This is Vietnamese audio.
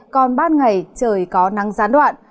còn ban ngày trời có nắng gián đoạn